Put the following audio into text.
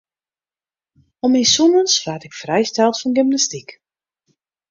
Om myn sûnens waard ik frijsteld fan gymnastyk.